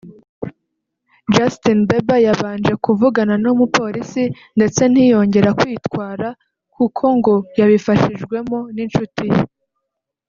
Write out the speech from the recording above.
Justin Bieber yabanje kuvugana n’umupolisi ndetse ntiyongera kwitwara kuko ngo yabifashijwemo n’inshuti ye